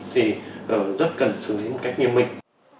thì rất cần xử lý một cách nghiêm mịch